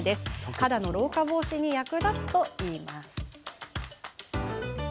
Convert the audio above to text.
肌の老化防止に役立つといいます。